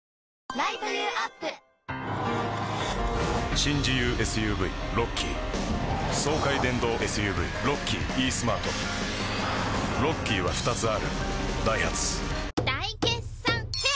新自由ＳＵＶロッキー爽快電動ＳＵＶロッキーイースマートロッキーは２つあるダイハツ大決算フェア